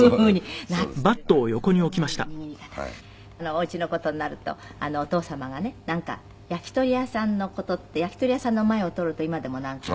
お家の事になるとお父様がねなんか焼き鳥屋さんの事って焼き鳥屋さんの前を通ると今でもなんか。